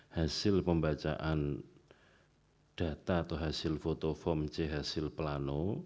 hasil pembacaan data atau hasil foto form c hasil plano